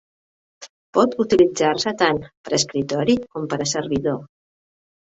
Pot utilitzar-se tant per a escriptori com per a servidor.